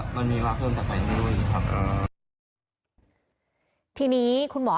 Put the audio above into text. มันมีวะเพิ่งสำรับ้วยแล้วอ่าที่นี้นี่คุณหมออนุญาตได้ค่ะ